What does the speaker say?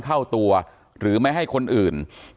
การแก้เคล็ดบางอย่างแค่นั้นเอง